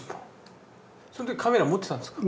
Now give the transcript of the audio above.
その時カメラ持ってたんですか？